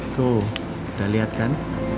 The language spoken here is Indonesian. tuh udah lihat kan